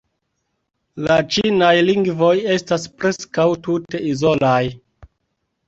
La ĉinaj lingvoj estas preskaŭ tute izolaj.